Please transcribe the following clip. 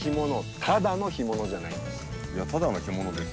いやただの干物ですよ。